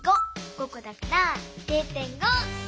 ５こだから０．５！